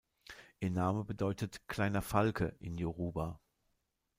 Ihr Name bedeutet „kleiner Falke“ in Yoruba.